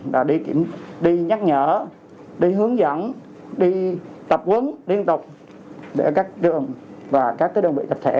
đã đi kiểm đi nhắc nhở đi hướng dẫn đi tập quấn liên tục để các trường và các đơn vị tập thể